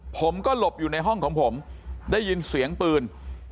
ผมก็หลบอยู่ในห้องของผมได้ยินเสียงปืน